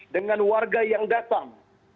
dengan warga yang datang